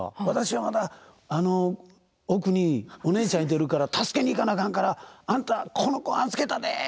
「私はまだ奥にお姉ちゃんいてるから助けに行かなあかんからあんたこの子預けたで！」